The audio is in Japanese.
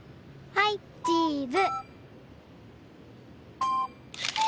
はいチーズ！